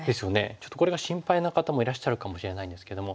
ちょっとこれが心配な方もいらっしゃるかもしれないんですけども。